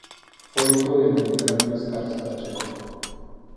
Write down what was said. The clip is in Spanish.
Fue hijo del militar Luis Arce Pacheco.